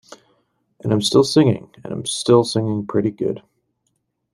And I'm still singing, and I'm still singing pretty good.